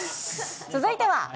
続いては。